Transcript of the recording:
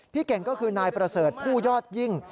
เก่งก็คือนายประเสริฐผู้ยอดยิ่ง